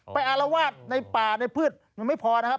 อารวาสในป่าในพืชยังไม่พอนะครับ